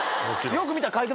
よく見て！